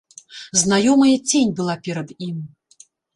Знаёмая цень была перад ім.